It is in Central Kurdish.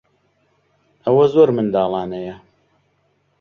ئەوە زۆر منداڵانەیە.